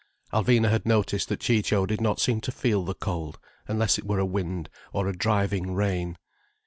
Alvina had noticed that Ciccio did not seem to feel the cold, unless it were a wind or a driving rain.